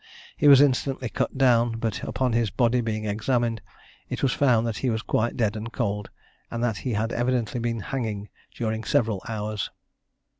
He was instantly cut down, but upon his body being examined, it was found that he was quite dead and cold, and that he had evidently been hanging during several hours.